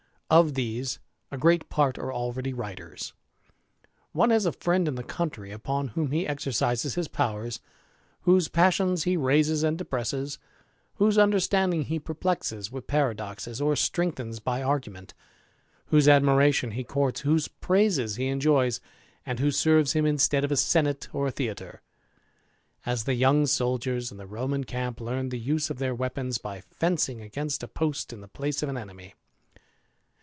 Of these, a great part are ahready writers. One has a ftend in the country upon whom he exercises his powers ; whose passions he raises and depresses; whose under standing he perplexes with paradoxes, or strengthens by argument; whose admiration he courts, whose praises he enjoys; and who serves him instead of a senate or a theatre ; as the young soldiers in the Roman camp learned the use of their weapons by fencing against a post in the place of an enemy.